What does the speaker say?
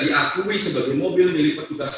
diakui sebagai mobil milik petugas